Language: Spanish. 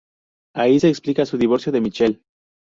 Ahí se explica su divorcio de Michelle.